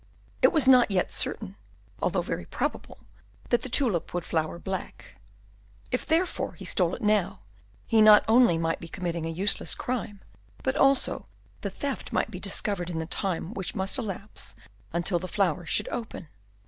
It was not yet certain, although very probable, that the tulip would flower black; if, therefore, he stole it now, he not only might be committing a useless crime, but also the theft might be discovered in the time which must elapse until the flower should open.